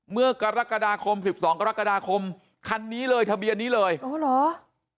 เมื่อกรกฎาคมสิบสองกรกฎาคมคันนี้เลยทะเบียนนี้เลยอ๋อเหรอ